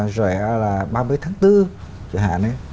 rồi là ba mươi tháng bốn chẳng hạn ấy